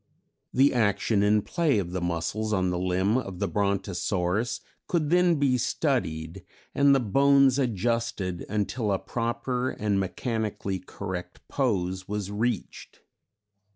The action and play of the muscles on the limb of the Brontosaurus could then be studied, and the bones adjusted until a proper and mechanically correct pose was reached.